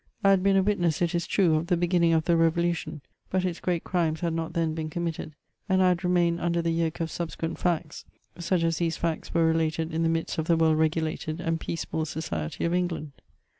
I had been a witness, it is true, of the beginning of the Revolution, but its great crimes had not then been committed, and I had remained under the yoke of subsequent facts, such as these £acts were related in the midst of the well regulated and peaceable society of England.